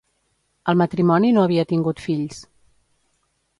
El matrimoni no havia tingut fills.